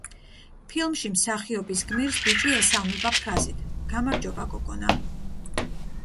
ფილმში მსახიობის გმირს ბიჭი ესალმება ფრაზით: „გამარჯობა გოგონა“.